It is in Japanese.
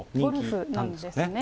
ゴルフなんですね。